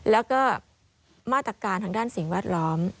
แล้วก็มาตรการทางด้านสิ่งแวดล้อม